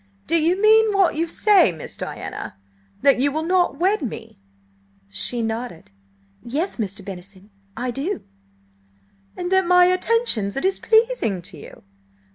"Do you mean what you say, Miss Diana? That you will not wed me?" She nodded. "Yes, Mr. Bettison, I do." "And that my attentions are displeasing to you!